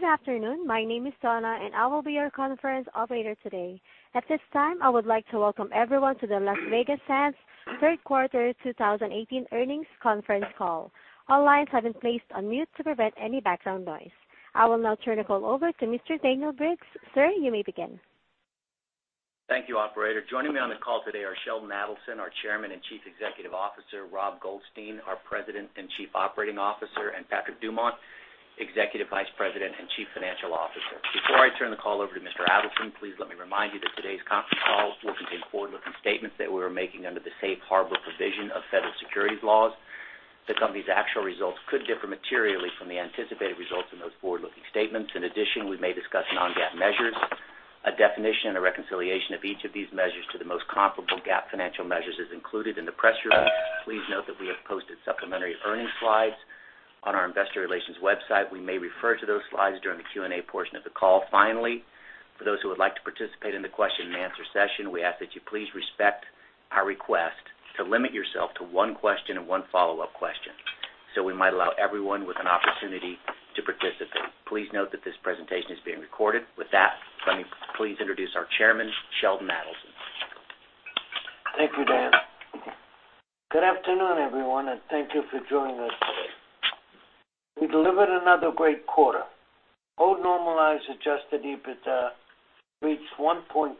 Good afternoon. My name is Donna, and I will be your conference operator today. At this time, I would like to welcome everyone to the Las Vegas Sands third quarter 2018 earnings conference call. All lines have been placed on mute to prevent any background noise. I will now turn the call over to Mr. Daniel Briggs. Sir, you may begin. Thank you, operator. Joining me on the call today are Sheldon Adelson, our Chairman and Chief Executive Officer, Robert Goldstein, our President and Chief Operating Officer, and Patrick Dumont, Executive Vice President and Chief Financial Officer. Before I turn the call over to Mr. Adelson, please let me remind you that today's conference call will contain forward-looking statements that we are making under the safe harbor provision of federal securities laws. The company's actual results could differ materially from the anticipated results in those forward-looking statements. In addition, we may discuss non-GAAP measures. A definition and a reconciliation of each of these measures to the most comparable GAAP financial measures is included in the press release. Please note that we have posted supplementary earnings slides on our investor relations website. We may refer to those slides during the Q&A portion of the call. For those who would like to participate in the question-and-answer session, we ask that you please respect our request to limit yourself to one question and one follow-up question so we might allow everyone with an opportunity to participate. Please note that this presentation is being recorded. Let me please introduce our chairman, Sheldon Adelson. Thank you, Dan. Good afternoon, everyone, thank you for joining us today. We delivered another great quarter. Hold normalized adjusted EBITDA reached $1.27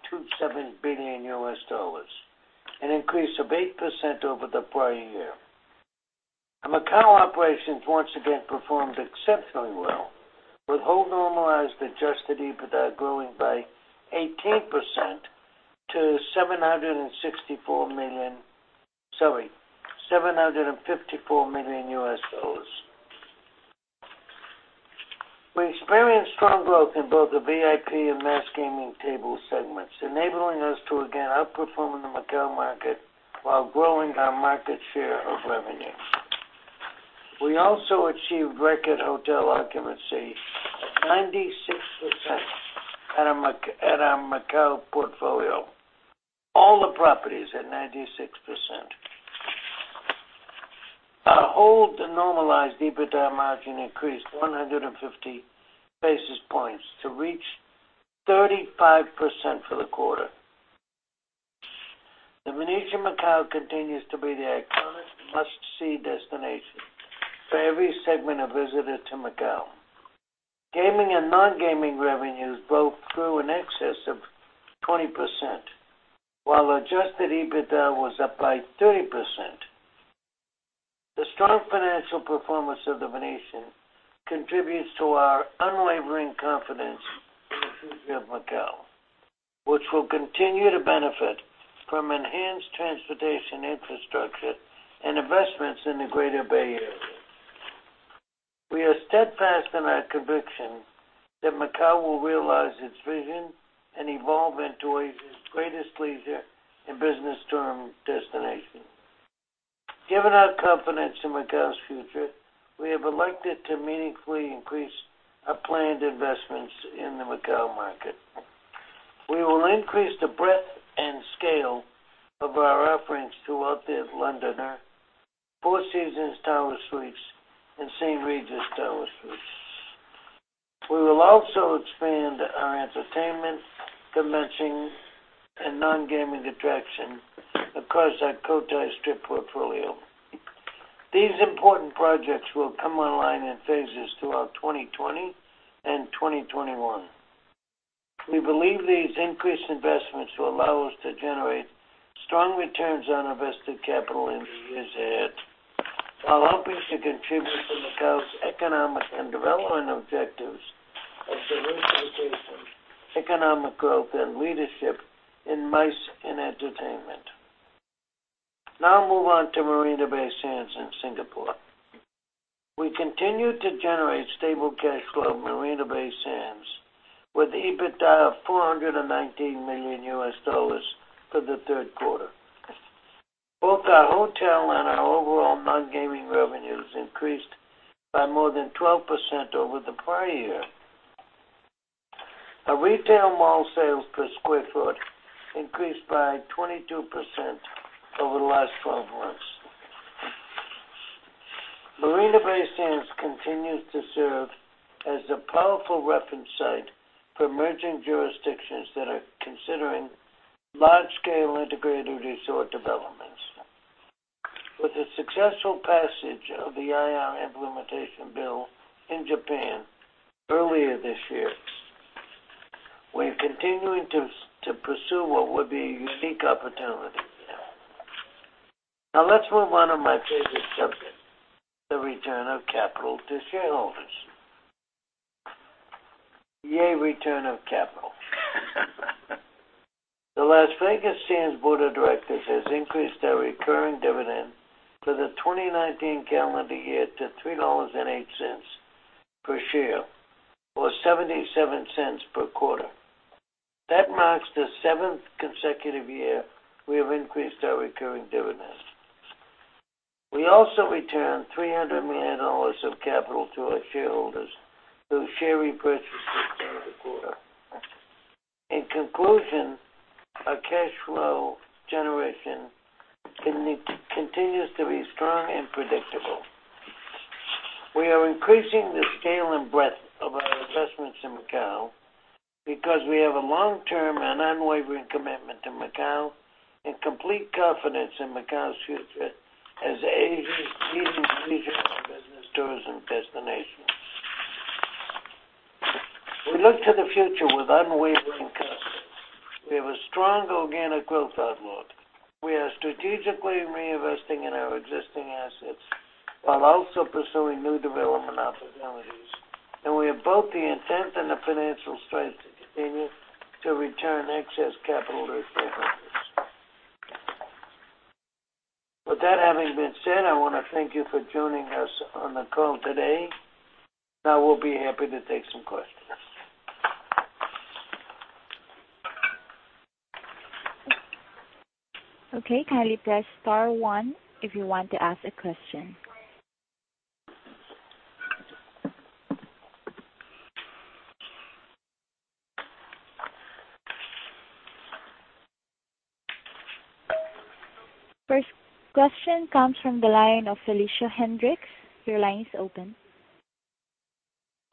billion, an increase of 8% over the prior year. Our Macau operations once again performed exceptionally well with hold normalized adjusted EBITDA growing by 18% to $764 million. Sorry, $754 million. We experienced strong growth in both the VIP and mass gaming table segments, enabling us to again outperform the Macao market while growing our market share of revenue. We also achieved record hotel occupancy at 96% at our Macao portfolio. All the properties at 96%. Our hold to normalized EBITDA margin increased 150 basis points to reach 35% for the quarter. The Venetian Macao continues to be the iconic must-see destination for every segment of visitor to Macao. Gaming and non-gaming revenues both grew in excess of 20%, while adjusted EBITDA was up by 30%. The strong financial performance of The Venetian contributes to our unwavering confidence in the future of Macau, which will continue to benefit from enhanced transportation infrastructure and investments in the Greater Bay Area. We are steadfast in our conviction that Macau will realize its vision and evolve into Asia's greatest leisure and business tourism destination. Given our confidence in Macau's future, we have elected to meaningfully increase our planned investments in the Macau market. We will increase the breadth and scale of our offerings throughout The Londoner, Four Seasons Tower Suites, and St. Regis Tower Suites. We will also expand our entertainment, convention, and non-gaming attraction across our Cotai Strip portfolio. These important projects will come online in phases throughout 2020 and 2021. We believe these increased investments will allow us to generate strong returns on invested capital in the years ahead, while helping to contribute to Macau's economic and development objectives of diversification, economic growth, and leadership in MICE and entertainment. Now I move on to Marina Bay Sands in Singapore. We continue to generate stable cash flow at Marina Bay Sands with EBITDA of $419 million for the third quarter. Both our hotel and our overall non-gaming revenues increased by more than 12% over the prior year. Our retail mall sales per square foot increased by 22% over the last 12 months. Marina Bay Sands continues to serve as a powerful reference site for emerging jurisdictions that are considering large-scale integrated resort developments. With the successful passage of the Integrated Resort Implementation Bill in Japan earlier this year, we're continuing to pursue what would be a unique opportunity there. Let's move on to my favorite subject, the return of capital to shareholders. Yay, return of capital. The Las Vegas Sands Board of Directors has increased our recurring dividend for the 2019 calendar year to $3.08 per share or $0.77 per quarter. That marks the seventh consecutive year we have increased our recurring dividends. We also returned $300 million of capital to our shareholders through share repurchase. In conclusion, our cash flow generation continues to be strong and predictable. We are increasing the scale and breadth of our investments in Macau because we have a long-term and unwavering commitment to Macau and complete confidence in Macau's future as Asia's leading regional business tourism destination. We look to the future with unwavering confidence. We have a strong organic growth outlook. We are strategically reinvesting in our existing assets while also pursuing new development opportunities. We have both the intent and the financial strength to continue to return excess capital to shareholders. With that having been said, I want to thank you for joining us on the call today. We'll be happy to take some questions. Okay. Kindly press star one if you want to ask a question. First question comes from the line of Felicia Hendrix. Your line is open.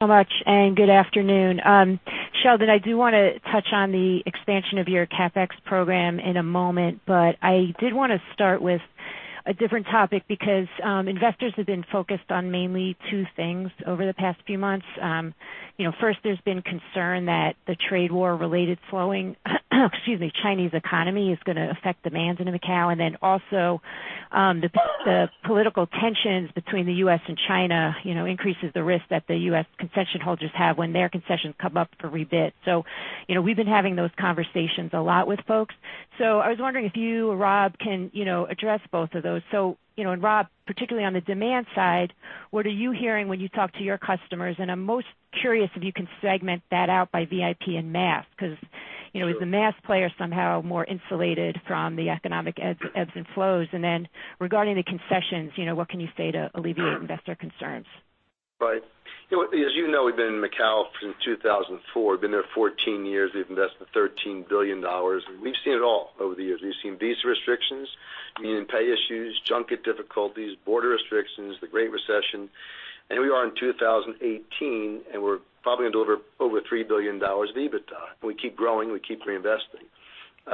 Thank you so much, and good afternoon. Sheldon, I do want to touch on the expansion of your CapEx program in a moment, I did want to start with a different topic because investors have been focused on mainly two things over the past few months. First, there's been concern that the trade war related slowing, excuse me, Chinese economy is going to affect demands into Macau. Also, the political tensions between the U.S. and China increases the risk that the U.S. concession holders have when their concessions come up for rebid. We've been having those conversations a lot with folks. I was wondering if you or Rob can address both of those. Rob, particularly on the demand side, what are you hearing when you talk to your customers? I'm most curious if you can segment that out by VIP and mass. Sure is the mass player somehow more insulated from the economic ebbs and flows? Regarding the concessions, what can you say to alleviate investor concerns? Right. As you know, we've been in Macau since 2004. Been there 14 years. We've invested $13 billion. We've seen it all over the years. We've seen visa restrictions, UnionPay issues, junket difficulties, border restrictions, the Great Recession. Here we are in 2018, and we're probably going to deliver over $3 billion of EBITDA. We keep growing, we keep reinvesting.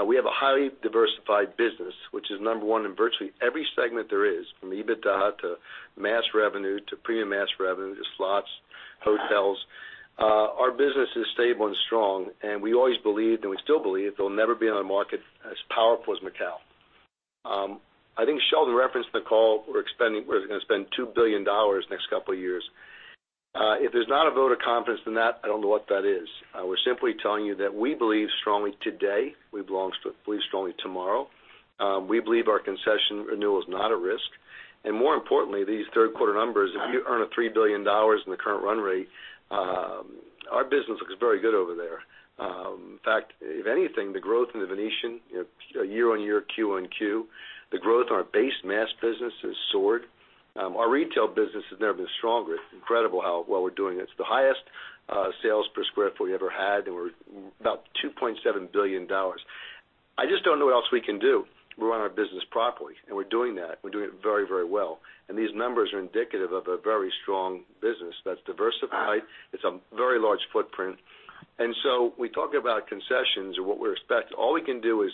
We have a highly diversified business, which is number one in virtually every segment there is, from EBITDA, to mass revenue, to premium mass revenue, to slots, hotels. Our business is stable and strong. We always believed, and we still believe there'll never be another market as powerful as Macau. I think Sheldon referenced in the call, we're going to spend $2 billion next couple of years. If there's not a vote of confidence in that, I don't know what that is. We're simply telling you that we believe strongly today, we believe strongly tomorrow. We believe our concession renewal is not a risk. More importantly, these third quarter numbers, if you earn a $3 billion in the current run rate, our business looks very good over there. In fact, if anything, the growth in The Venetian year-on-year, Q-on-Q, the growth on our base mass business has soared. Our retail business has never been stronger. It's incredible how well we're doing. It's the highest sales per square foot we ever had. We're about $2.7 billion. I just don't know what else we can do to run our business properly, and we're doing that. We're doing it very well. These numbers are indicative of a very strong business that's diversified. It's a very large footprint. We talk about concessions or what we expect, all we can do is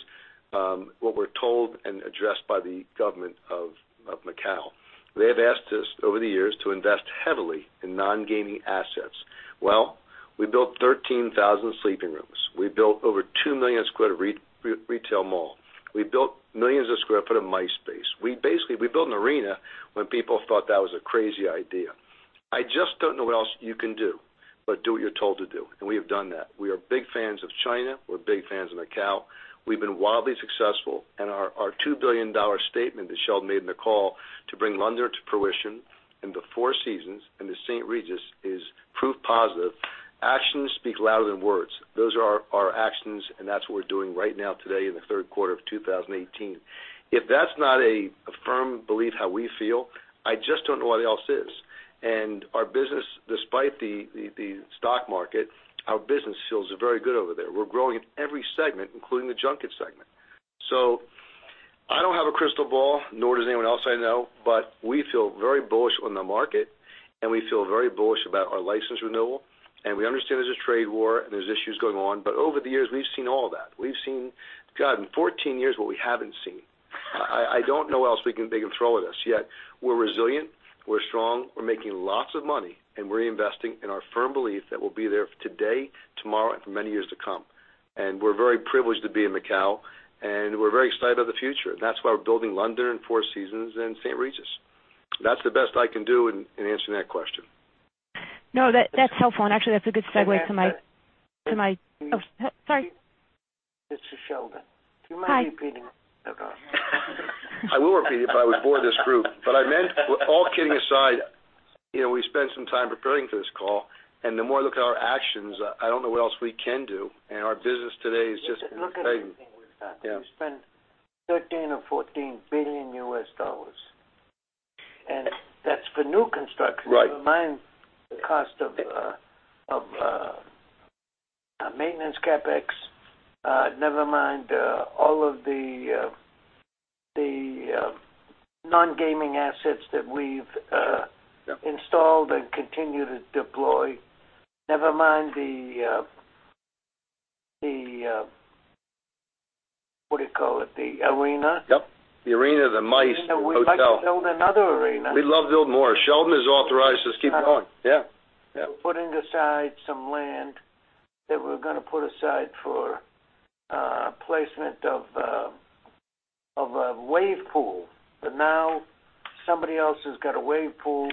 what we're told and addressed by the government of Macau. They have asked us over the years to invest heavily in non-gaming assets. Well, we built 13,000 sleeping rooms. We built over 2 million square of retail mall. We built millions of square foot of MICE space. We built an arena when people thought that was a crazy idea. I just don't know what else you can do, but do what you're told to do. We have done that. We are big fans of China, we're big fans of Macau. We've been wildly successful. Our $2 billion statement that Sheldon made in the call to bring London to fruition, and the Four Seasons, and The St. Regis is proof positive. Actions speak louder than words. Those are our actions. That's what we're doing right now today in the third quarter of 2018. If that's not a firm belief how we feel, I just don't know what else is. Our business, despite the stock market, our business feels very good over there. We're growing in every segment, including the junket segment. I don't have a crystal ball, nor does anyone else I know. We feel very bullish on the market, and we feel very bullish about our license renewal. We understand there's a trade war, and there's issues going on. Over the years, we've seen all that. We've seen, God, in 14 years, what we haven't seen? I don't know what else they can throw at us, yet we're resilient, we're strong, we're making lots of money, and we're investing in our firm belief that we'll be there today, tomorrow, and for many years to come. We're very privileged to be in Macau, and we're very excited about the future. That's why we're building London, and Four Seasons, and St. Regis. That's the best I can do in answering that question. No, that's helpful. Actually, that's a good segue. Oh, sorry. Mr. Sheldon. Hi. Do you mind repeating that, Rob? I will repeat it, but I was born this group. I meant, all kidding aside, we spent some time preparing for this call, the more I look at our actions, I don't know what else we can do. Our business today is just incredible. Look at everything we've done. Yeah. We spent $13 billion or $14 billion U.S. dollars. That's for new construction. Right. Never mind the cost of maintenance CapEx, never mind all of the non-gaming assets that we've installed and continue to deploy. Never mind the, what do you call it? The arena? Yep. The arena, the MICE, the hotel. We'd like to build another arena. We'd love to build more. Sheldon has authorized us to keep going. Yeah. We're putting aside some land that we're going to put aside for placement of a wave pool. Now somebody else has got a wave pool.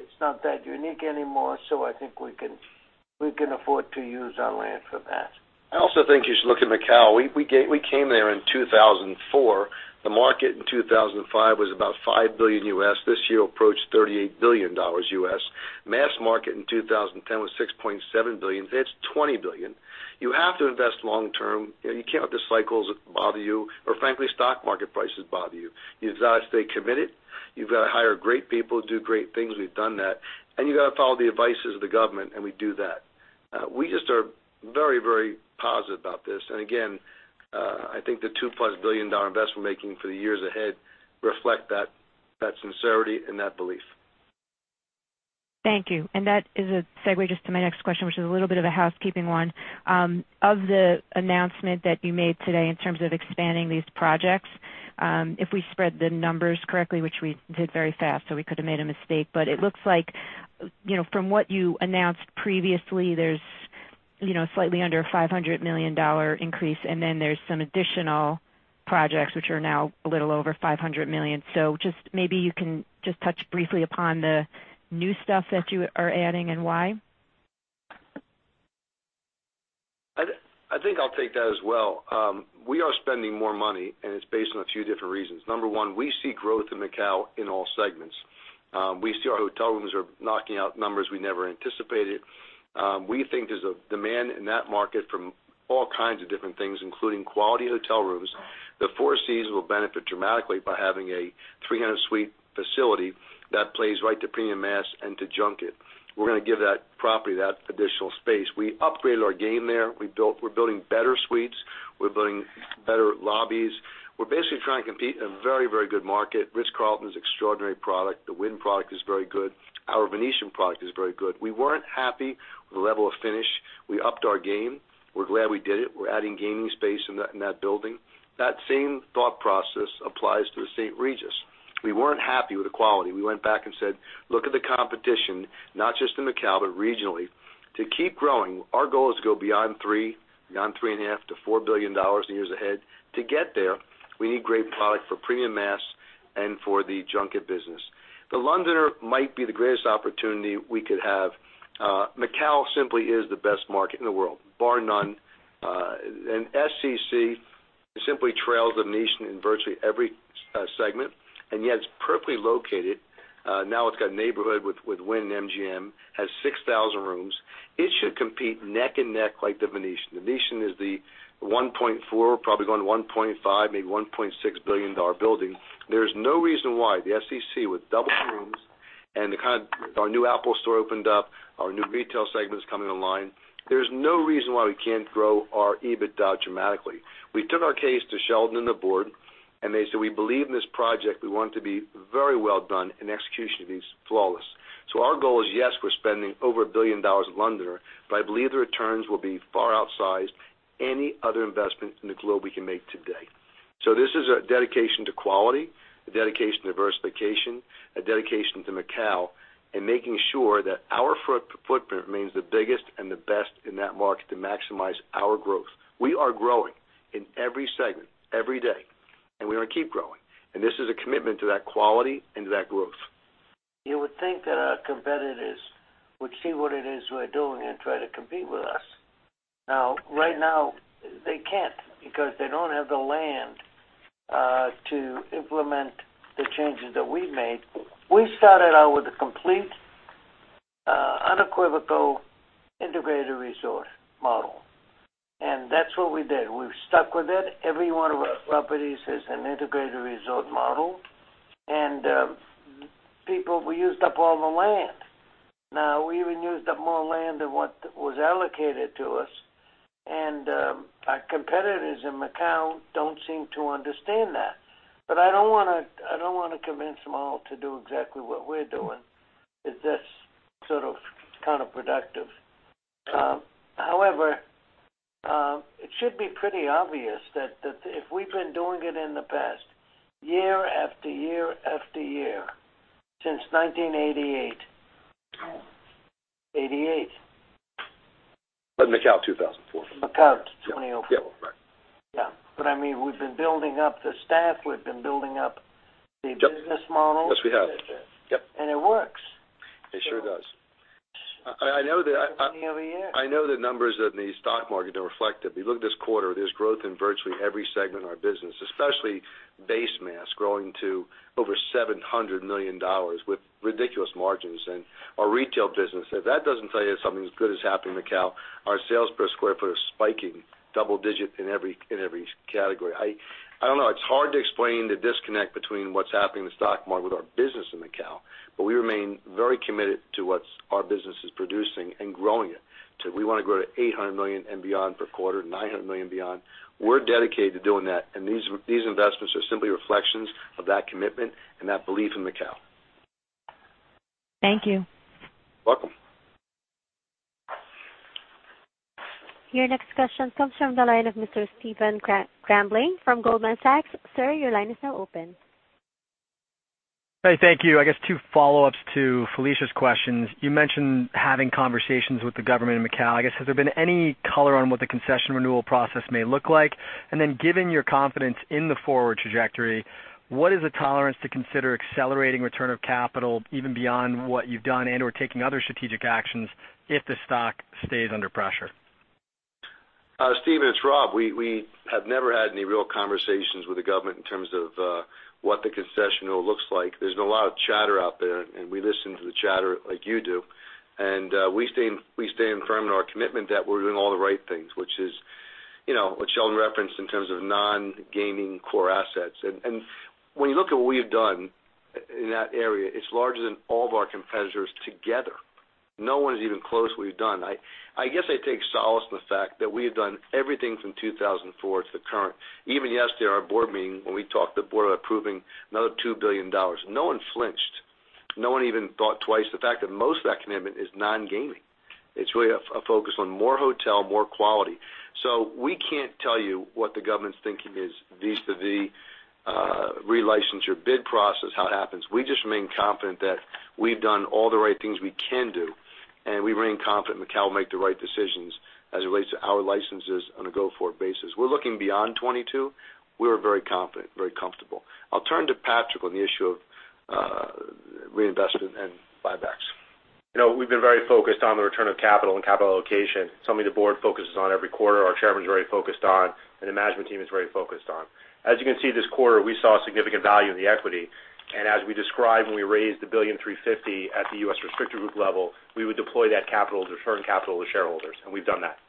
It's not that unique anymore, I think we can afford to use our land for that. I also think you should look at Macau. We came there in 2004. The market in 2005 was about $5 billion U.S. This year approached $38 billion U.S. Mass market in 2010 was $6.7 billion. Today, it's $20 billion. You have to invest long-term. You can't let the cycles bother you, or frankly, stock market prices bother you. You've got to stay committed. You've got to hire great people to do great things. We've done that. You've got to follow the advices of the government, and we do that. We just are very positive about this. Again, I think the $2-plus billion investment we're making for the years ahead reflect that sincerity and that belief. Thank you. That is a segue just to my next question, which is a little bit of a housekeeping one. Of the announcement that you made today in terms of expanding these projects, if we spread the numbers correctly, which we did very fast, so we could have made a mistake, but it looks like, from what you announced previously, there's slightly under a $500 million increase, and then there's some additional projects which are now a little over $500 million. Just maybe you can just touch briefly upon the new stuff that you are adding and why. I think I'll take that as well. We are spending more money, and it's based on a few different reasons. Number 1, we see growth in Macau in all segments. We see our hotel rooms are knocking out numbers we never anticipated. We think there's a demand in that market from all kinds of different things, including quality hotel rooms. The Four Seasons will benefit dramatically by having a 300-suite facility that plays right to premium mass and to junket. We're going to give that property that additional space. We upgraded our game there. We're building better suites. We're building better lobbies. We're basically trying to compete in a very good market. The Ritz-Carlton's extraordinary product. The Wynn product is very good. Our Venetian product is very good. We weren't happy with the level of finish. We upped our game. We're glad we did it. We're adding gaming space in that building. That same thought process applies to The St. Regis. We weren't happy with the quality. We went back and said, "Look at the competition, not just in Macau, but regionally." To keep growing, our goal is to go beyond 3, beyond 3.5 to $4 billion in years ahead. To get there, we need great product for premium mass and for the junket business. The Londoner might be the greatest opportunity we could have. Macau simply is the best market in the world, bar none. SCC simply trails The Venetian in virtually every segment, and yet it's perfectly located. Now it's got a neighborhood with Wynn and MGM, has 6,000 rooms. It should compete neck and neck like The Venetian. The Venetian is the $1.4 billion, probably going $1.5 billion, maybe $1.6 billion building. There is no reason why the SCC with double the rooms, and our new Apple Store opened up, our new retail segment is coming online. There's no reason why we can't grow our EBITDA dramatically. We took our case to Sheldon and the board, and they said, "We believe in this project. We want it to be very well done, and execution of these, flawless." Our goal is, yes, we're spending over $1 billion at Londoner, but I believe the returns will be far outsized any other investment in the globe we can make today. This is a dedication to quality, a dedication to diversification, a dedication to Macao, and making sure that our footprint remains the biggest and the best in that market to maximize our growth. We are growing in every segment, every day, and we're going to keep growing. This is a commitment to that quality and to that growth. You would think that our competitors would see what it is we're doing and try to compete with us. Now, right now, they can't because they don't have the land to implement the changes that we've made. We started out with a complete, unequivocal, integrated resort model, and that's what we did. We've stuck with it. Every one of our properties is an integrated resort model. People, we used up all the land. Now, we even used up more land than what was allocated to us, and our competitors in Macao don't seem to understand that. I don't want to convince them all to do exactly what we're doing. It's just sort of counterproductive. However, it should be pretty obvious that if we've been doing it in the past, year after year after year, since 1988. Macao 2004. Macau 2004. Yeah. Right. Yeah. I mean, we've been building up the staff, we've been building up the business model. Yes, we have. Yep. It works. It sure does. I know the numbers in the stock market are reflective. You look at this quarter, there's growth in virtually every segment of our business, especially base mass growing to over $700 million with ridiculous margins in our retail business. If that doesn't tell you something good is happening in Macao, our sales per square foot are spiking double-digit in every category. I don't know. It's hard to explain the disconnect between what's happening in the stock market with our business in Macao. We remain very committed to what our business is producing and growing it to we want to grow to $800 million and beyond per quarter, $900 million and beyond. We're dedicated to doing that. These investments are simply reflections of that commitment and that belief in Macao. Thank you. Welcome. Your next question comes from the line of Mr. Stephen Grambling from Goldman Sachs. Sir, your line is now open. Hey, thank you. I guess two follow-ups to Felicia's questions. You mentioned having conversations with the government in Macao. I guess, has there been any color on what the concession renewal process may look like? Given your confidence in the forward trajectory, what is the tolerance to consider accelerating return of capital even beyond what you've done and/or taking other strategic actions if the stock stays under pressure? Stephen, it's Rob. We have never had any real conversations with the government in terms of what the concession renewal looks like. There's been a lot of chatter out there, and we listen to the chatter like you do, and we stay firm in our commitment that we're doing all the right things, which Sheldon referenced in terms of non-gaming core assets. When you look at what we have done in that area, it's larger than all of our competitors together. No one is even close to what we've done. I guess I take solace in the fact that we have done everything from 2004 to the current. Even yesterday, our board meeting, when we talked to the board about approving another $2 billion, no one flinched. No one even thought twice. The fact that most of that commitment is non-gaming. It's really a focus on more hotel, more quality. We can't tell you what the government's thinking is vis-a-vis relicense your bid process, how it happens. We just remain confident that we've done all the right things we can do, and we remain confident Macao will make the right decisions as it relates to our licenses on a go-forward basis. We're looking beyond 2022. We are very confident, very comfortable. I'll turn to Patrick on the issue of reinvestment and buybacks. We've been very focused on the return of capital and capital allocation. Something the board focuses on every quarter, our chairman's very focused on, and the management team is very focused on. As you can see, this quarter, we saw significant value in the equity, and as we described when we raised the $1.350 billion at the U.S. restricted group level, we would deploy that capital to return capital to shareholders, and we've done that.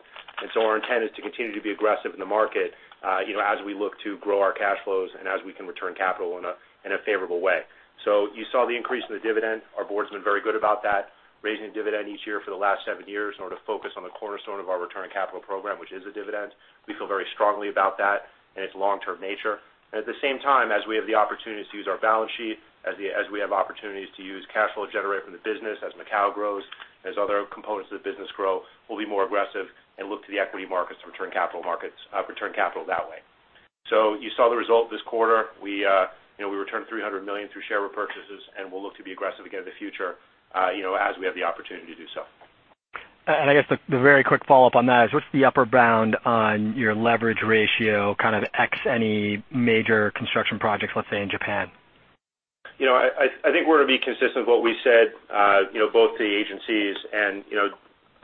Our intent is to continue to be aggressive in the market as we look to grow our cash flows and as we can return capital in a favorable way. You saw the increase in the dividend. Our board's been very good about that, raising the dividend each year for the last seven years in order to focus on the cornerstone of our return capital program, which is a dividend. We feel very strongly about that and its long-term nature. At the same time, as we have the opportunity to use our balance sheet, as we have opportunities to use cash flow generated from the business, as Macau grows, as other components of the business grow, we'll be more aggressive and look to the equity markets to return capital that way. You saw the result this quarter. We returned $300 million through share repurchases, and we'll look to be aggressive again in the future as we have the opportunity to do so. I guess the very quick follow-up on that is what's the upper bound on your leverage ratio, kind of x any major construction projects, let's say, in Japan? I think we're going to be consistent with what we said both to the agencies and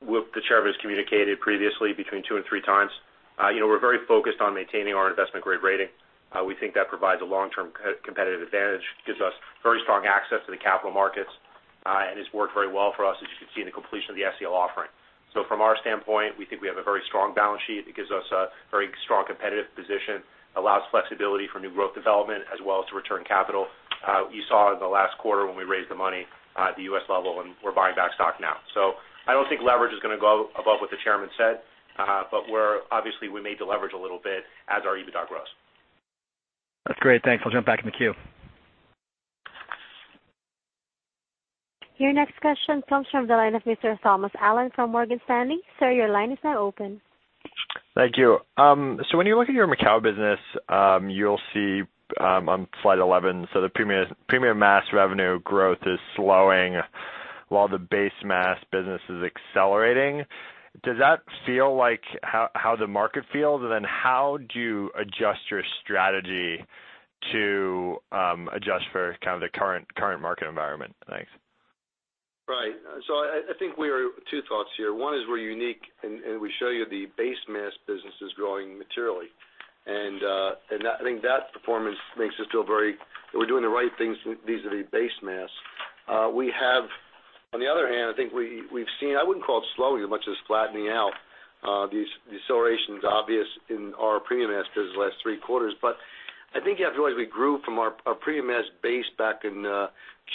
what the Chairman has communicated previously between two and three times. We're very focused on maintaining our investment-grade rating. We think that provides a long-term competitive advantage, gives us very strong access to the capital markets, and it's worked very well for us as you can see in the completion of the SCL offering. From our standpoint, we think we have a very strong balance sheet. It gives us a very strong competitive position, allows flexibility for new growth development, as well as to return capital. You saw in the last quarter when we raised the money at the U.S. level, and we're buying back stock now. I don't think leverage is going to go above what the Chairman said. Obviously, we may deleverage a little bit as our EBITDA grows. That's great. Thanks. I'll jump back in the queue. Your next question comes from the line of Mr. Thomas Allen from Morgan Stanley. Sir, your line is now open. Thank you. When you look at your Macau business, you'll see on slide 11, the premium mass revenue growth is slowing while the base mass business is accelerating. Does that feel like how the market feels? How do you adjust your strategy to adjust for kind of the current market environment? Thanks. Right. I think we are two thoughts here. One is we're unique, and we show you the base mass business is growing materially. I think that performance makes us feel very we're doing the right things vis-a-vis base mass. On the other hand, I think we've seen, I wouldn't call it slowing as much as flattening out. The deceleration's obvious in our premium mass business the last three quarters, but I think you have to realize we grew from our premium mass base back in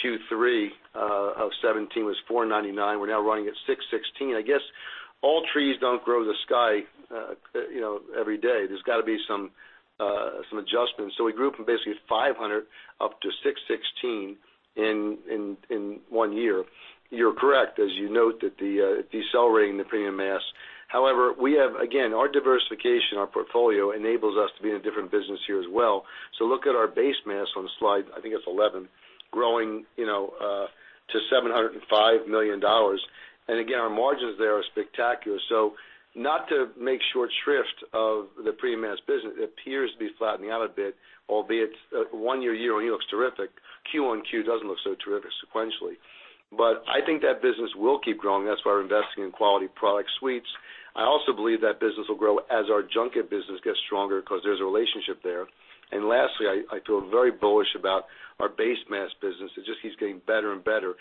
Q3 of 2017 was $499 million. We're now running at $616 million. I guess all trees don't grow to the sky every day. There's got to be some adjustments. We grew from basically $500 million up to $616 million in one year. You're correct, as you note that the decelerating the premium mass. However, we have, again, our diversification, our portfolio enables us to be in a different business here as well. Look at our base mass on slide, I think it's 11, growing to $705 million. Again, our margins there are spectacular. Not to make short shrift of the premium mass business, it appears to be flattening out a bit, albeit one year year-on-year looks terrific. Q-on-Q doesn't look so terrific sequentially. But I think that business will keep growing. That's why we're investing in quality product suites. I also believe that business will grow as our junket business gets stronger because there's a relationship there. Lastly, I feel very bullish about our base mass business. It just keeps getting better and better.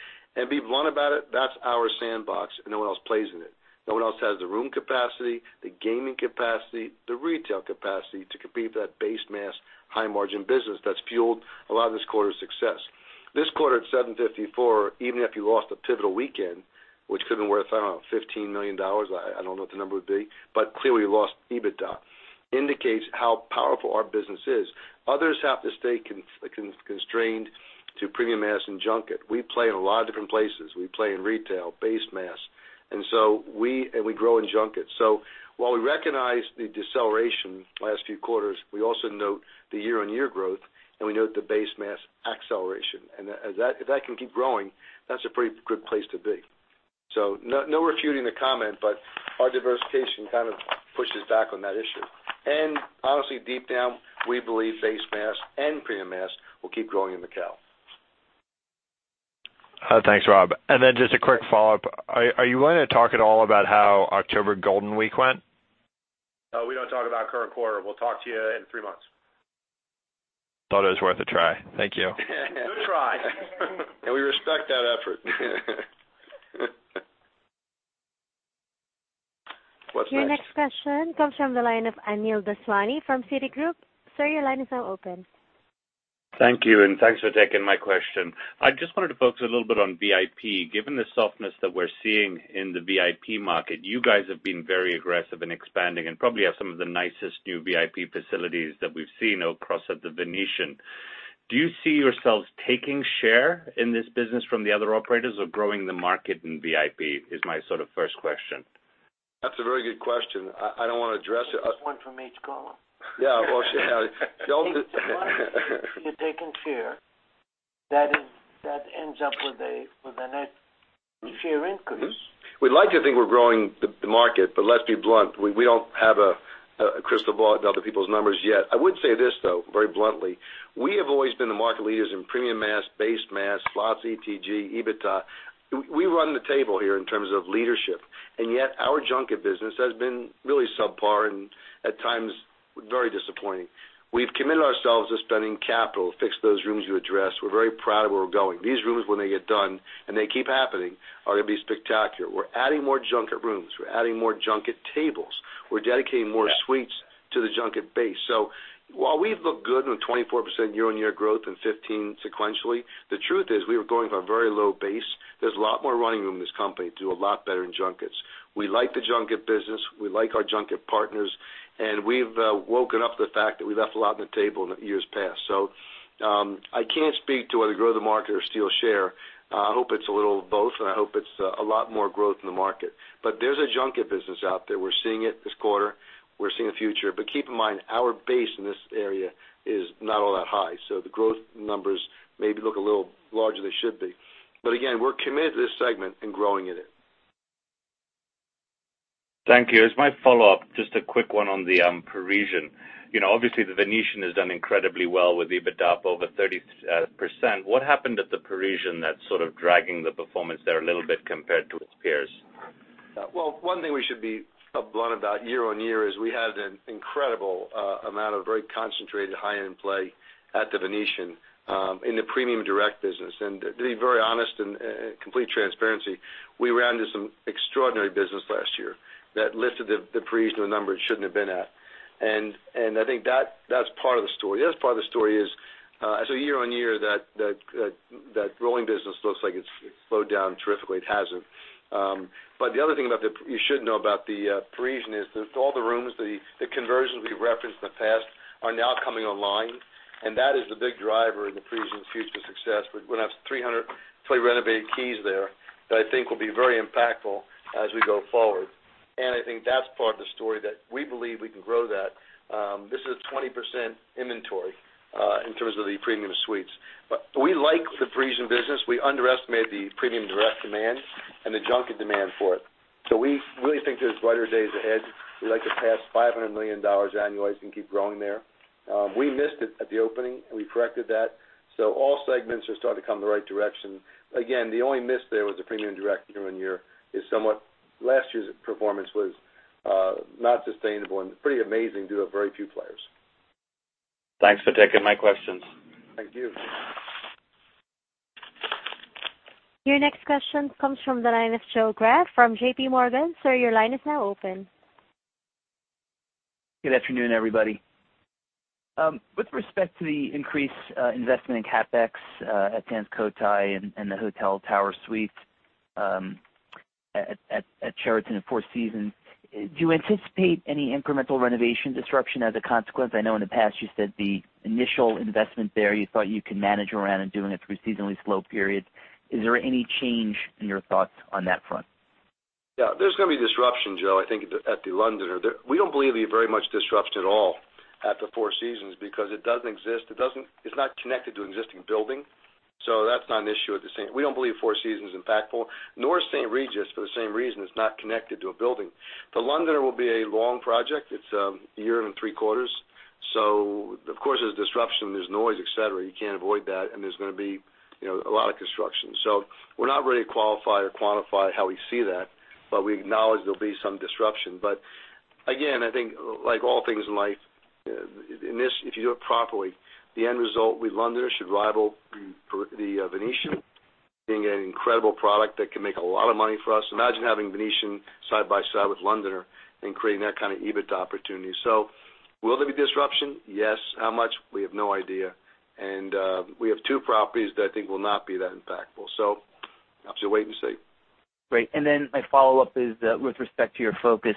Be blunt about it, that's our sandbox, and no one else plays in it. No one else has the room capacity, the gaming capacity, the retail capacity to compete with that base mass, high-margin business that's fueled a lot of this quarter's success. This quarter at $754, even if you lost a pivotal weekend, which could have been worth, I don't know, $15 million, I don't know what the number would be, but clearly lost EBITDA, indicates how powerful our business is. Others have to stay constrained to premium mass and junket. We play in a lot of different places. We play in retail, base mass, and we grow in junket. While we recognize the deceleration the last few quarters, we also note the year-on-year growth, and we note the base mass acceleration. If that can keep growing, that's a pretty good place to be. No refuting the comment, but our diversification kind of pushes back on that issue. Honestly, deep down, we believe base mass and premium mass will keep growing in Macau. Thanks, Rob. Then just a quick follow-up. Are you willing to talk at all about how October Golden Week went? No, we don't talk about current quarter. We'll talk to you in three months. Thought it was worth a try. Thank you. Good try. We respect that effort. What's next? Your next question comes from the line of Anil Daswani from Citigroup. Sir, your line is now open. Thank you. Thanks for taking my question. I just wanted to focus a little bit on VIP. Given the softness that we're seeing in the VIP market, you guys have been very aggressive in expanding and probably have some of the nicest new VIP facilities that we've seen across at The Venetian. Do you see yourselves taking share in this business from the other operators or growing the market in VIP, is my sort of first question. That's a very good question. I don't want to address it. Just one from each caller. Yeah, well said. If you're taking share, that ends up with a net share increase. Let's be blunt, we don't have a crystal ball to other people's numbers yet. I would say this, though, very bluntly. We have always been the market leaders in premium mass, base mass, slots, ETG, EBITDA. We run the table here in terms of leadership. Yet our junket business has been really subpar and, at times, very disappointing. We've committed ourselves to spending capital to fix those rooms you addressed. We're very proud of where we're going. These rooms, when they get done, and they keep happening, are going to be spectacular. We're adding more junket rooms. We're adding more junket tables. We're dedicating more suites to the junket base. While we look good on a 24% year-on-year growth and 15% sequentially, the truth is we were going from a very low base. There's a lot more running room in this company to do a lot better in junkets. We like the junket business. We like our junket partners. We've woken up to the fact that we left a lot on the table in years past. I can't speak to whether grow the market or steal share. I hope it's a little of both, and I hope it's a lot more growth in the market. There's a junket business out there. We're seeing it this quarter. We're seeing a future. Keep in mind, our base in this area is not all that high. The growth numbers maybe look a little larger than they should be. Again, we're committed to this segment and growing in it. Thank you. As my follow-up, just a quick one on The Parisian. Obviously, The Venetian has done incredibly well with EBITDA up over 30%. What happened at The Parisian that's sort of dragging the performance there a little bit compared to its peers? One thing we should be blunt about year-on-year is we had an incredible amount of very concentrated high-end play at The Venetian in the premium direct business. To be very honest and complete transparency, we ran into some extraordinary business last year that lifted The Parisian to a number it shouldn't have been at. I think that's part of the story. The other part of the story is, year-on-year, that growing business looks like it's slowed down terrifically. It hasn't. The other thing you should know about The Parisian is that all the rooms, the conversions we've referenced in the past are now coming online, and that is the big driver in The Parisian's future success. We're going to have 300 fully renovated keys there that I think will be very impactful as we go forward. I think that's part of the story that we believe we can grow that. This is 20% inventory in terms of the premium suites. We like The Parisian business. We underestimate the premium direct demand and the junket demand for it. We really think there's brighter days ahead. We'd like to pass $500 million annualized and keep growing there. We missed it at the opening, and we corrected that. All segments are starting to come in the right direction. Again, the only miss there was the premium direct year-over-year is somewhat last year's performance was not sustainable and pretty amazing due to very few players. Thanks for taking my questions. Thank you. Your next question comes from the line of Joseph Greff from JPMorgan. Sir, your line is now open. Good afternoon, everybody. With respect to the increased investment in CapEx at Sands Cotai and the hotel tower suites at Sheraton and Four Seasons, do you anticipate any incremental renovation disruption as a consequence? I know in the past you said the initial investment there you thought you could manage around and doing it through seasonally slow periods. Is there any change in your thoughts on that front? Yeah, there's going to be disruption, Joe, I think at The Londoner. We don't believe it'll be very much disrupt at all at the Four Seasons because it's not connected to an existing building. That's not an issue. We don't believe Four Seasons is impactful, nor is The St. Regis for the same reason. It's not connected to a building. The Londoner will be a long project. It's a year and three quarters. Of course, there's disruption, there's noise, et cetera. You can't avoid that. There's going to be a lot of construction. We're not ready to qualify or quantify how we see that, but we acknowledge there'll be some disruption. Again, I think like all things in life, in this, if you do it properly, the end result with The Londoner should rival The Venetian, being an incredible product that can make a lot of money for us. Imagine having Venetian side by side with Londoner and creating that kind of EBIT opportunity. Will there be disruption? Yes. How much? We have no idea. We have two properties that I think will not be that impactful. I'll just wait and see. Great. My follow-up is with respect to your focus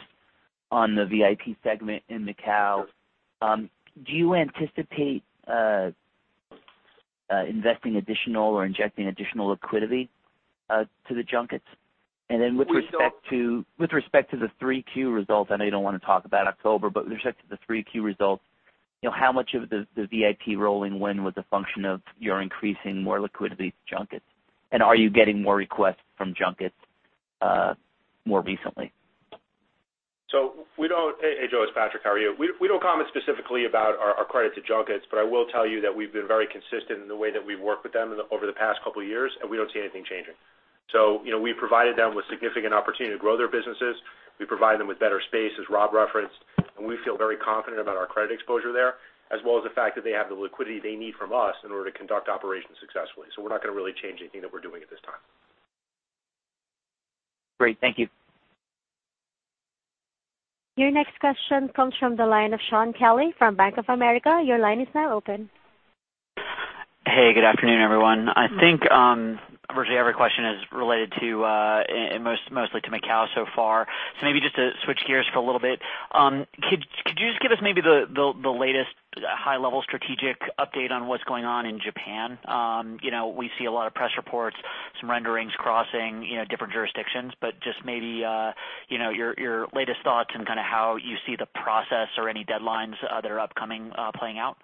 on the VIP segment in Macao. Do you anticipate investing additional or injecting additional liquidity to the junkets? With respect to the 3Q results, I know you don't want to talk about October, but with respect to the 3Q results, how much of the VIP rolling win was a function of your increasing more liquidity to junkets? Are you getting more requests from junkets more recently? We don't. Hey, Joseph, it's Patrick. How are you? We don't comment specifically about our credit to junkets. I will tell you that we've been very consistent in the way that we've worked with them over the past couple of years, and we don't see anything changing. We provided them with significant opportunity to grow their businesses. We provide them with better space, as Robert referenced, and we feel very confident about our credit exposure there, as well as the fact that they have the liquidity they need from us in order to conduct operations successfully. We're not going to really change anything that we're doing at this time. Great. Thank you. Your next question comes from the line of Shaun Kelley from Bank of America. Your line is now open. Hey, good afternoon, everyone. I think virtually every question is related mostly to Macau so far. Maybe just to switch gears for a little bit. Could you just give us maybe the latest high-level strategic update on what's going on in Japan? We see a lot of press reports, some renderings crossing different jurisdictions. Just maybe your latest thoughts and how you see the process or any deadlines that are upcoming playing out.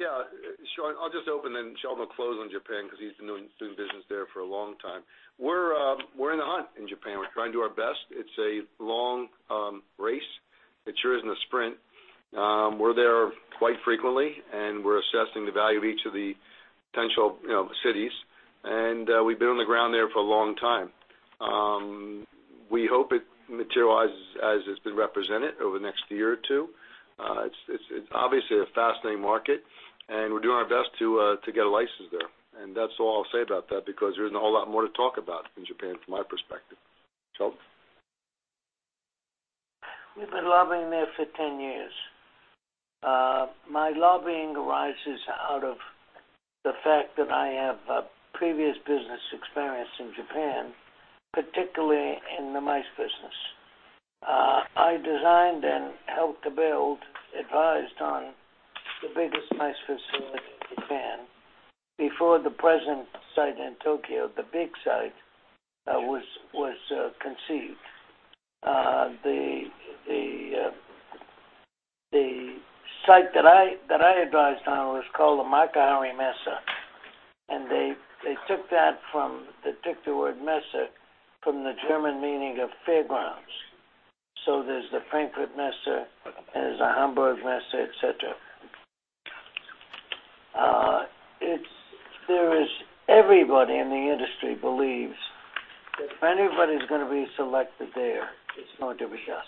Yeah. Shaun, I'll just open, then Sheldon will close on Japan because he's been doing business there for a long time. We're in the hunt in Japan. We're trying to do our best. It's a long race. It sure isn't a sprint. We're there quite frequently, and we're assessing the value of each of the potential cities. We've been on the ground there for a long time. We hope it materializes as it's been represented over the next year or two. It's obviously a fascinating market, and we're doing our best to get a license there. That's all I'll say about that because there isn't a whole lot more to talk about in Japan from my perspective. Sheldon. We've been lobbying there for 10 years. My lobbying arises out of the fact that I have previous business experience in Japan, particularly in the MICE business. I designed and helped to build, advised on the biggest MICE facility in Japan before the present site in Tokyo, the big site was conceived. The site that I advised on was called the Makuhari Messe, and they took the word Messe from the German meaning of fairgrounds. There's the Frankfurt Messe, and there's a Hamburg Messe, et cetera. Everybody in the industry believes that if anybody's going to be selected there, it's going to be us.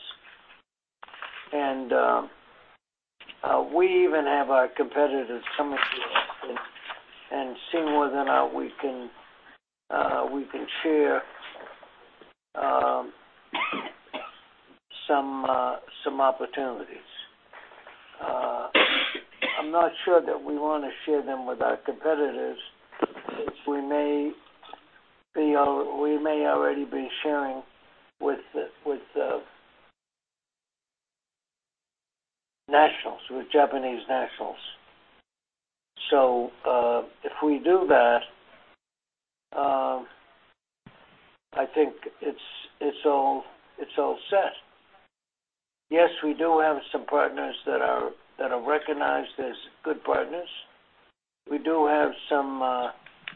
We even have our competitors come up to us and seeing whether or not we can share some opportunities. I'm not sure that we want to share them with our competitors since we may already be sharing with Japanese nationals. If we do that, I think it's all set. Yes, we do have some partners that are recognized as good partners. We do have some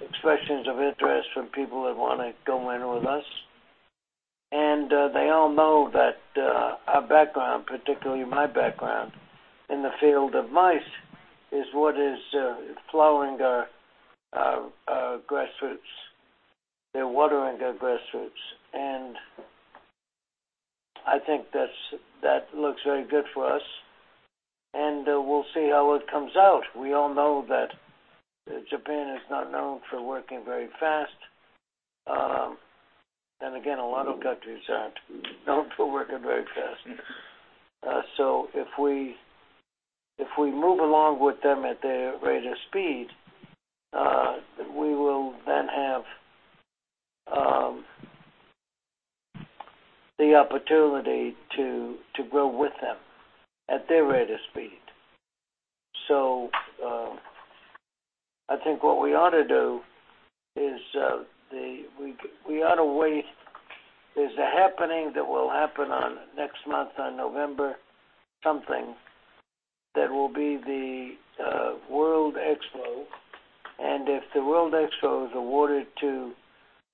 expressions of interest from people that want to go in with us. They all know that our background, particularly my background in the field of MICE, is what is flowing our grassroots. They're watering our grassroots. I think that looks very good for us. We'll see how it comes out. We all know that Japan is not known for working very fast. Again, a lot of countries aren't known for working very fast. If we move along with them at their rate of speed, we will then have the opportunity to grow with them at their rate of speed. I think what we ought to do is there's a happening that will happen on next month on November something. That will be the World Expo, and if the World Expo is awarded to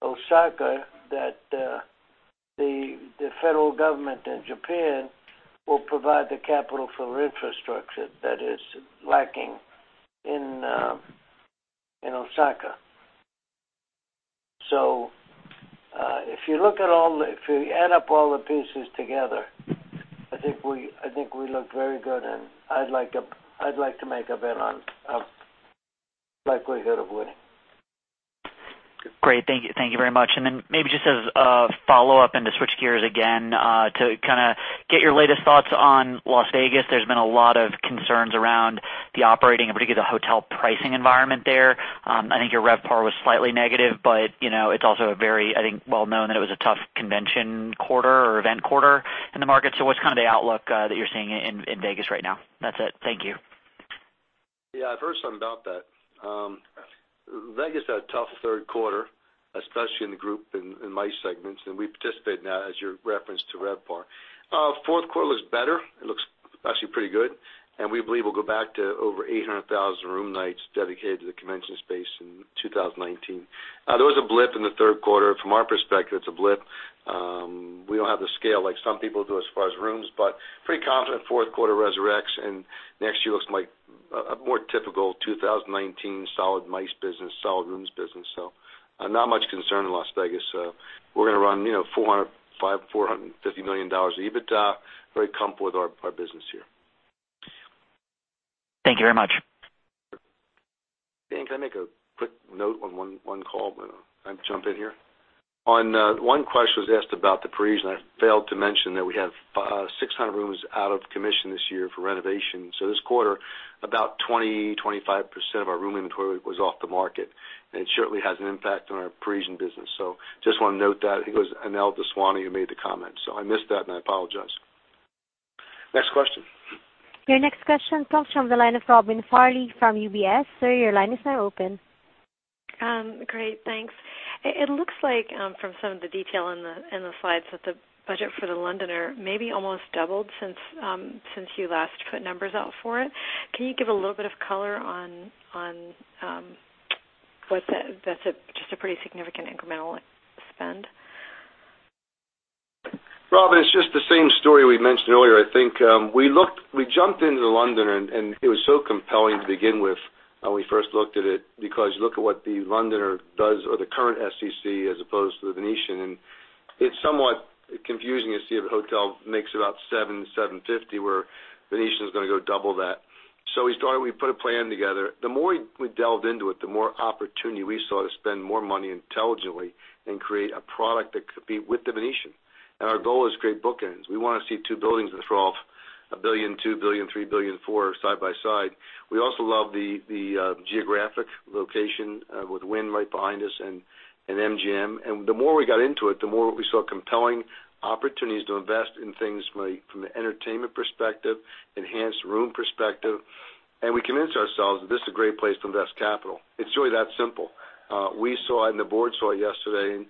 Osaka, the federal government in Japan will provide the capital for infrastructure that is lacking in Osaka. If you add up all the pieces together, I think we look very good, and I'd like to make a bet on likelihood of winning. Great. Thank you very much. Maybe just as a follow-up and to switch gears again, to get your latest thoughts on Las Vegas, there's been a lot of concerns around the operating, in particular the hotel pricing environment there. I think your RevPAR was slightly negative, but it's also very well-known that it was a tough convention quarter or event quarter in the market. What's the outlook that you're seeing in Vegas right now? That's it. Thank you. Yeah, I've heard something about that. Vegas had a tough third quarter, especially in the group, in my segments, and we participate in that, as you referenced to RevPAR. Fourth quarter looks better. It looks actually pretty good, and we believe we'll go back to over 800,000 room nights dedicated to the convention space in 2019. There was a blip in the third quarter. From our perspective, it's a blip. We don't have the scale like some people do as far as rooms, but pretty confident fourth quarter resurrects, and next year looks like a more typical 2019 solid MICE business, solid rooms business. Not much concern in Las Vegas. We're going to run $400 million-$450 million of EBITDA. Very comfortable with our business here. Thank you very much. Dan, can I make a quick note on one call? I can jump in here. On one question that was asked about The Parisian, I failed to mention that we have 600 rooms out of commission this year for renovation. This quarter, about 20%-25% of our room inventory was off the market, and it certainly has an impact on our Parisian business. Just want to note that. I think it was Anil Daswani who made the comment. I missed that, and I apologize. Next question. Your next question comes from the line of Robin Farley from UBS. Sir, your line is now open. Great, thanks. It looks like from some of the detail in the slides that the budget for The Londoner maybe almost doubled since you last put numbers out for it. Can you give a little bit of color on what that's a pretty significant incremental spend? Robin, it's just the same story we mentioned earlier. I think we jumped into The Londoner, and it was so compelling to begin with when we first looked at it, because look at what The Londoner does or the current SCC, as opposed to The Venetian, and it's somewhat confusing to see if a hotel makes about $700, $750, where Venetian's going to go double that. We started, we put a plan together. The more we delved into it, the more opportunity we saw to spend more money intelligently and create a product that could be with The Venetian, and our goal is to create bookends. We want to see two buildings that are $1 billion, $2 billion, $3 billion, $4 billion, side by side. We also love the geographic location with Wynn right behind us and MGM. The more we got into it, the more we saw compelling opportunities to invest in things from an entertainment perspective, enhanced room perspective, and we convinced ourselves that this is a great place to invest capital. It's really that simple. We saw it, and the board saw it yesterday, and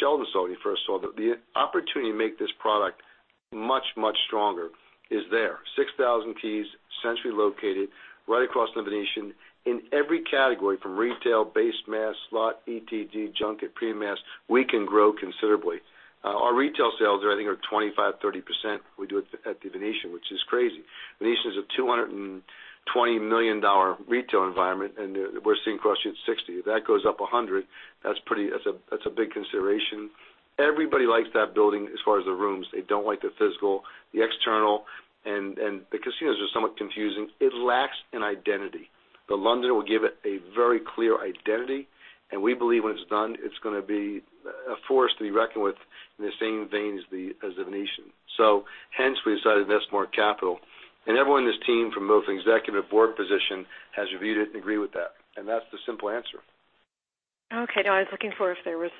Sheldon saw it when he first saw it, that the opportunity to make this product much, much stronger is there. 6,000 keys, centrally located, right across from The Venetian. In every category, from retail, base mass, slot, ETG, junket, premium mass, we can grow considerably. Our retail sales I think are 25%, 30% we do at The Venetian, which is crazy. Venetian's a $220 million retail environment, and we're seeing crushing at $60 million. If that goes up $100 million, that's a big consideration. Everybody likes that building as far as the rooms. They don't like the physical, the external, and the casinos are somewhat confusing. It lacks an identity. The Londoner will give it a very clear identity, and we believe when it's done, it's going to be a force to be reckoned with in the same vein as The Venetian. Hence, we decided to invest more capital. Everyone in this team from both an executive board position has reviewed it and agree with that. That's the simple answer. Okay. I was looking for if there was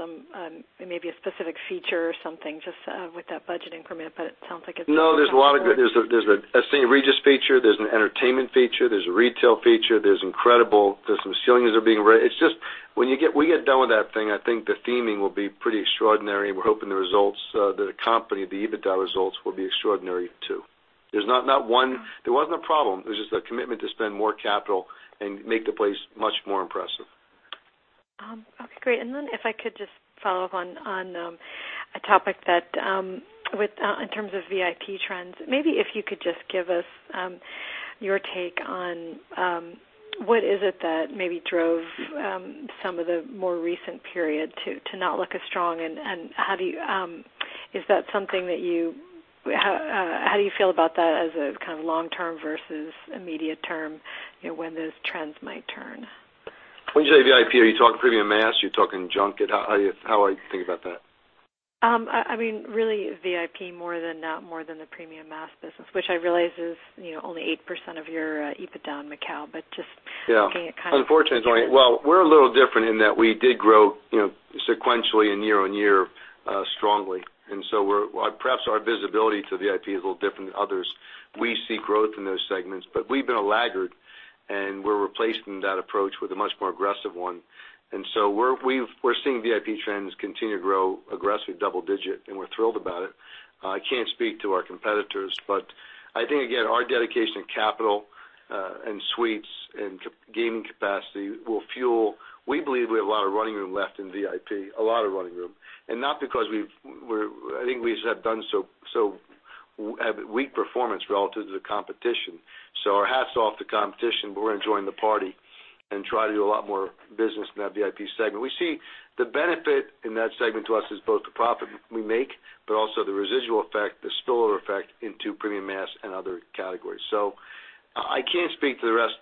maybe a specific feature or something just with that budget increment, but it sounds like it's- There's a St. Regis feature, there's an entertainment feature, there's a retail feature. There's some ceilings that are being raised. When we get done with that thing, I think the theming will be pretty extraordinary, and we're hoping the results that accompany the EBITDA results will be extraordinary, too. There wasn't a problem. It was just a commitment to spend more capital and make the place much more impressive. Okay, great. Then if I could just follow up on a topic in terms of VIP trends, maybe if you could just give us your take on what is it that maybe drove some of the more recent period to not look as strong, and how do you feel about that as a kind of long term versus immediate term, when those trends might turn? When you say VIP, are you talking premium mass? You talking junket? How I think about that? I mean, really VIP more than the premium mass business, which I realize is only 8% of your EBITDA in Macao, but just looking at. Yeah. Unfortunately, well, we're a little different in that we did grow sequentially and year-over-year strongly. Perhaps our visibility to VIP is a little different than others. We see growth in those segments, but we've been a laggard. We're replacing that approach with a much more aggressive one. We're seeing VIP trends continue to grow aggressively double-digit, and we're thrilled about it. I can't speak to our competitors, but I think, again, our dedication to capital and suites and gaming capacity will fuel. We believe we have a lot of running room left in VIP, a lot of running room. Not because I think we have done so weak performance relative to the competition. Our hats off to competition, but we're enjoying the party and try to do a lot more business in that VIP segment. We see the benefit in that segment to us is both the profit we make, but also the residual effect, the spillover effect into premium mass and other categories. I can't speak to the rest.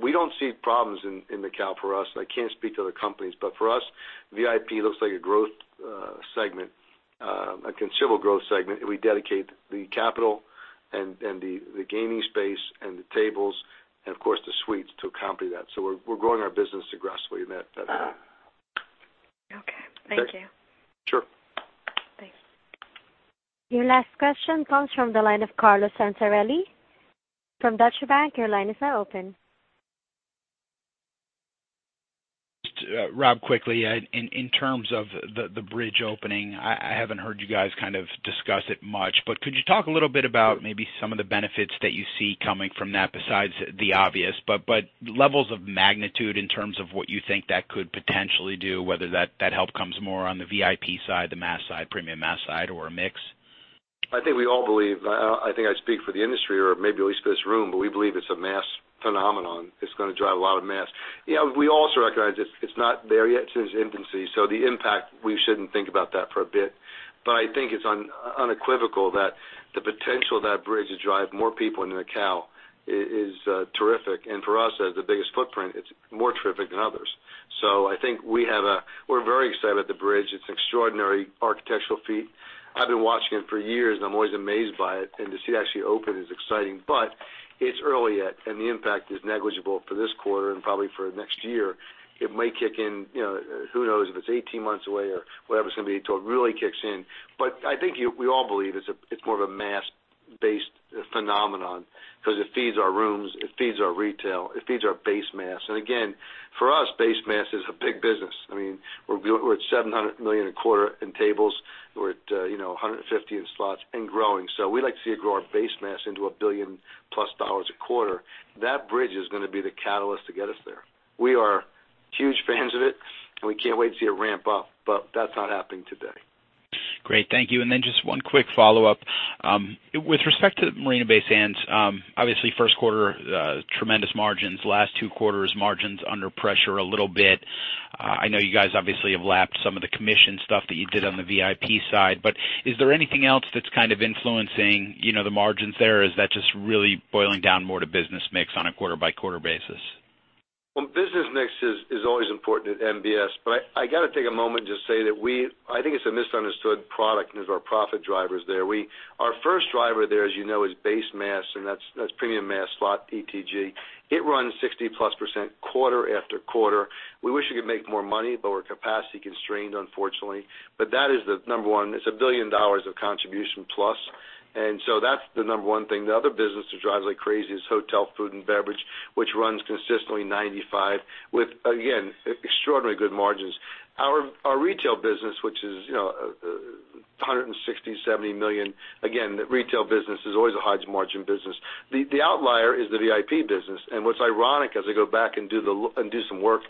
We don't see problems in Macao for us, and I can't speak to other companies. For us, VIP looks like a considerable growth segment, and we dedicate the capital and the gaming space and the tables, and of course, the suites to accompany that. We're growing our business aggressively in that segment. Okay. Thank you. Sure. Thanks. Your last question comes from the line of Carlo Santarelli from Deutsche Bank. Your line is now open. Rob, quickly, in terms of the bridge opening, I haven't heard you guys kind of discuss it much, but could you talk a little bit about maybe some of the benefits that you see coming from that besides the obvious, but levels of magnitude in terms of what you think that could potentially do, whether that help comes more on the VIP side, the mass side, premium mass side, or a mix? I think we all believe, I think I speak for the industry or maybe at least for this room, but we believe it's a mass phenomenon. It's going to drive a lot of mass. Yeah, we also recognize it's not there yet. It's in its infancy. The impact, we shouldn't think about that for a bit. I think it's unequivocal that the potential of that bridge to drive more people into Macao is terrific. For us, as the biggest footprint, it's more terrific than others. I think we're very excited at the bridge. It's an extraordinary architectural feat. I've been watching it for years, and I'm always amazed by it. To see it actually open is exciting. It's early yet, and the impact is negligible for this quarter and probably for next year. It might kick in, who knows if it's 18 months away or whatever it's going to be till it really kicks in. I think we all believe it's more of a mass-based phenomenon because it feeds our rooms, it feeds our retail, it feeds our base mass. Again, for us, base mass is a big business. We're at $700 million a quarter in tables. We're at $150 in slots and growing. We like to see it grow our base mass into a $1 billion-plus a quarter. That bridge is going to be the catalyst to get us there. We are huge fans of it, and we can't wait to see it ramp up, but that's not happening today. Great. Thank you. Then just one quick follow-up. With respect to Marina Bay Sands, obviously first quarter, tremendous margins, last two quarters, margins under pressure a little bit. I know you guys obviously have lapped some of the commission stuff that you did on the VIP side, but is there anything else that's kind of influencing the margins there? Is that just really boiling down more to business mix on a quarter-by-quarter basis? Business mix is always important at MBS, I got to take a moment just say that I think it's a misunderstood product and is our profit drivers there. Our first driver there, as you know, is base mass, and that's premium mass slot ETG. It runs 60%-plus quarter after quarter. We wish we could make more money, but we're capacity constrained, unfortunately. That is the number one. It's a $1 billion of contribution plus. That's the number one thing. The other business that drives like crazy is hotel, food, and beverage, which runs consistently 95% with, again, extraordinary good margins. Our retail business, which is $160 million, $70 million. Again, retail business is always a high margin business. The outlier is the VIP business. What's ironic as I go back and do some work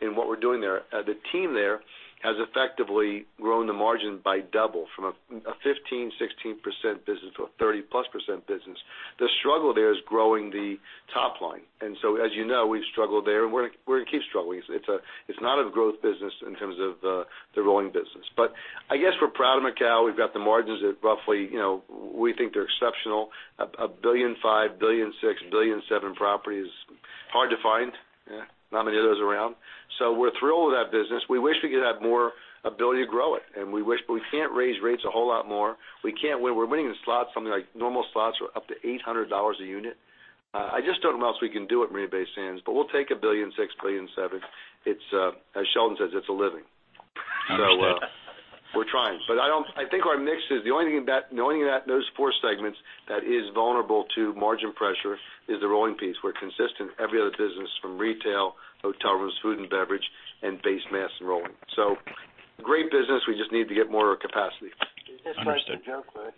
in what we're doing there, the team there has effectively grown the margin by double from a 15%-16% business to a 30%-plus business. The struggle there is growing the top line. As you know, we've struggled there and we're going to keep struggling. It's not a growth business in terms of the rolling business. I guess we're proud of Macau. We've got the margins at roughly, we think they're exceptional, a $1.5 billion, $1.6 billion, $1.7 billion property is hard to find. Not many of those around. We're thrilled with that business. We wish we could have more ability to grow it. We wish, but we can't raise rates a whole lot more. We're winning the slots, something like normal slots are up to $800 a unit. I just don't know what else we can do at Marina Bay Sands, but we'll take $1.6 billion, $1.7 billion. As Sheldon says, it's a living. Understood. We're trying. I think our mix is the only thing in those four segments that is vulnerable to margin pressure is the rolling piece. We're consistent every other business from retail, hotel rooms, food and beverage, and base mass and rolling. Great business. We just need to get more of capacity. Understood. It's just like the joke where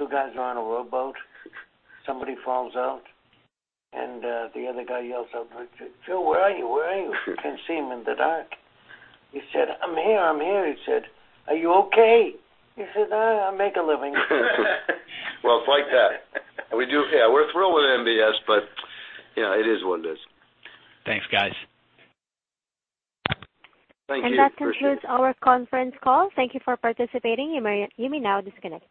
two guys are on a rowboat, somebody falls out, and the other guy yells out, "Phil, where are you? Where are you?" He couldn't see him in the dark. He said, "I'm here." He said, "Are you okay?" He said, "I make a living. Well, it's like that. We do. Yeah, we're thrilled with MBS. It is what it is. Thanks, guys. Thank you. Appreciate it. That concludes our conference call. Thank you for participating. You may now disconnect.